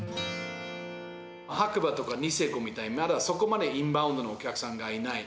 白馬とかニセコみたいに、そこまでインバウンドのお客さんがいない。